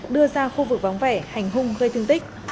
đưa ra khu vực vắng vẻ hành hung gây thương tích